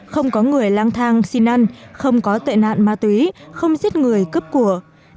không có người lang thang xin ăn không có tệ nạn ma túy không giết người cướp của